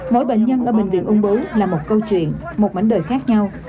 mỗi bệnh nhân ở bệnh viện ung bú là một câu chuyện một mảnh đời khác nhau